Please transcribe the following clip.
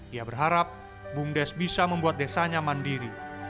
ia berharap bumdes bisa membuat desanya mandiri